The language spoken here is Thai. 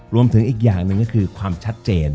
รวมถึงอีกอย่างหนึ่งก็คือความชัดเจน